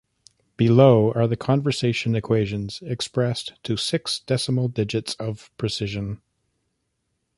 Below are the conversion equations expressed to six decimal digits of precision.